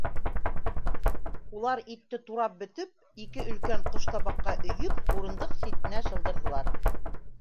Улар итте турап бөтөп, ике өлкән ҡоштабаҡҡа өйөп, урындыҡ ситенә шылдырҙылар.